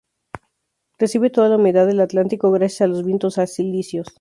Recibe toda la humedad del Atlántico gracias a los vientos alisios.